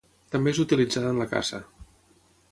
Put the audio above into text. També és utilitzada en la caça.